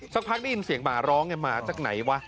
สักพักได้ยินเสียงหมาร้องหมาจากไหนวะ